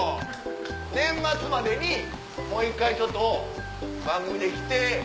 年末までにもう１回ちょっと番組で来て。